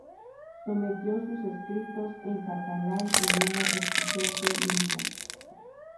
Sometió sus escritos en catalán a una exigente lima.